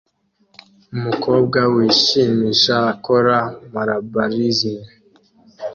Umukobwa wishimisha akora malabarism